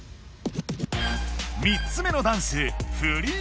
３つ目のダンス「フリーズ」。